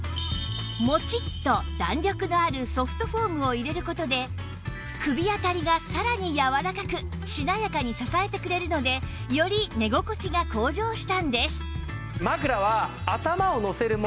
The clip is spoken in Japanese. もちっと弾力のあるソフトフォームを入れる事で首あたりがさらに柔らかくしなやかに支えてくれるのでより寝心地が向上したんです